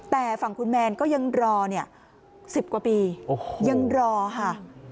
แต่ฝั่งคุณแมนก็ยังรอเนี่ย๑๐กว่าปียังรอค่ะ